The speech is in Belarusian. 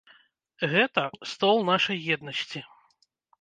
Гэта стол нашай еднасці.